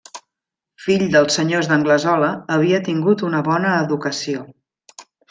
Fill dels senyors d'Anglesola havia tingut una bona educació.